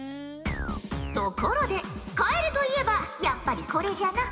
ところでカエルといえばやっぱりこれじゃな。